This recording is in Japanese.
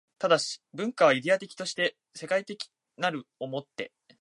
但、文化はイデヤ的として世界史的なるを以て